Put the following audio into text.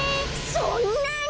そんなに！？